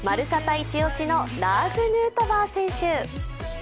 イチ押しのラーズ・ヌートバー選手。